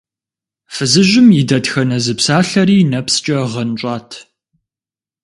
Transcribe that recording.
Фызыжьым и дэтхэнэ зы псалъэри нэпскӀэ гъэнщӀат.